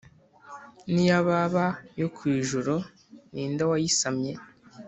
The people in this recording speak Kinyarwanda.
n’iyababa yo ku ijuru ni nde wayisamye’